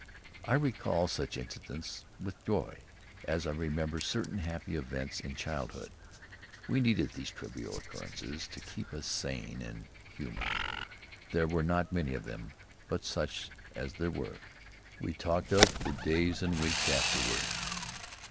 I recall such incidents with joy as I remember certain happy events in childhood. We needed these trivial occurrences to keep us sane and human. There were not many of them, but such as there were, we talked of for days and weeks afterward.